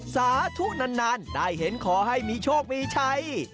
สาธุนานได้เห็นขอให้มีโชคมีชัย